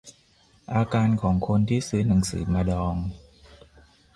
อาการของคนที่ซื้อหนังสือมาดอง